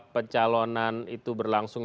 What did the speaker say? pecalonan itu berlangsung